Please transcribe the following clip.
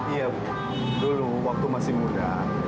iya dulu waktu masih muda